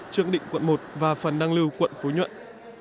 trương định quận một và phần đăng lưu quận phú nhuận